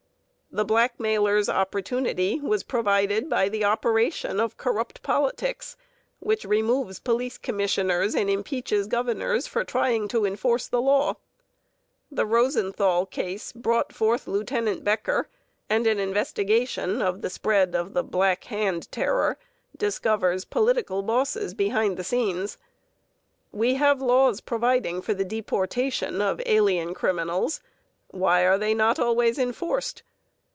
The blackmailer's opportunity was provided by the operation of corrupt politics, which removes police commissioners and impeaches governors for trying to enforce the law. The Rosenthal case brought forth Lieutenant Becker, and an investigation of the spread of the Black Hand terror discovers political bosses behind the scenes.(5) We have laws providing for the deportation of alien criminals. Why are they not always enforced?